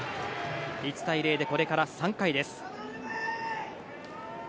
１対０で、これから３回です。